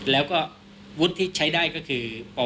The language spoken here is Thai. แล้วก็วุฒิที่ใช้ได้ก็คือป๖